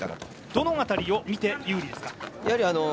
どの辺りを見て有利ですか？